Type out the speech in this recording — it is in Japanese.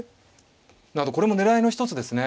なるほどこれも狙いの一つですね。